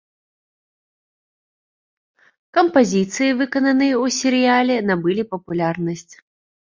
Кампазіцыі, выкананыя ў серыяле, набылі папулярнасць.